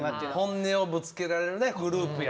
ホンネをぶつけられるねグループや。